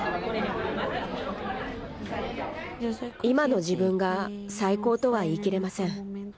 今の自分が最高とは言い切れません。